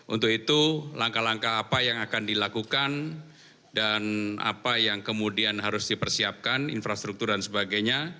untuk itu langkah langkah apa yang akan dilakukan dan apa yang kemudian harus dipersiapkan infrastruktur dan sebagainya